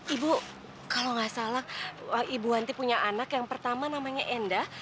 ibu kalau nggak salah ibu wanti punya anak yang pertama namanya enda